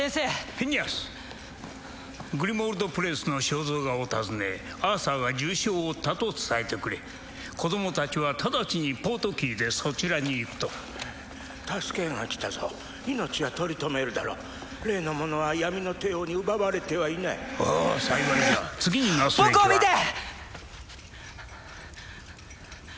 フィニアスグリモールド・プレイスの肖像画を訪ねアーサーが重傷を負ったと伝えてくれ子供たちは直ちにポートキーでそちらに行くと助けが来たぞ命は取り留めるだろう例のものは闇の帝王に奪われてはいないおう幸いじゃ次になすべきは僕を見て！